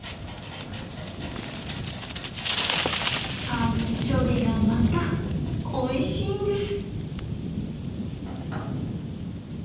アンチョビがまたおいしいんです！